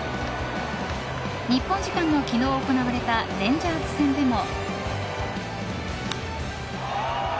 日本時間の昨日行われたレンジャース戦でも。